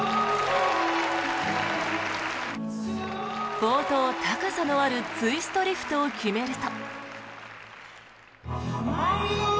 冒頭、高さのあるツイストリフトを決めると。